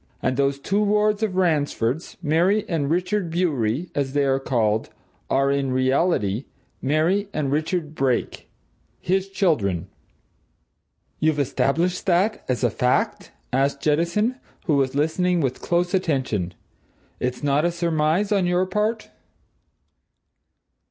And those two wards of Ransford's, Mary and Richard Bewery, as they are called, are, in reality, Mary and Richard Brake his children." "You've established that as a fact?" asked Jettison, who was listening with close attention. "It's not a surmise on your part?"